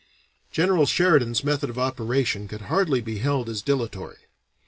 General Sheridan's method of operation could hardly be held as dilatory.